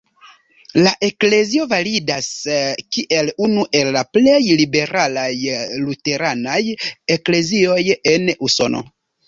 La eklezio validas kiel unu el la plej liberalaj luteranaj eklezioj en Usono.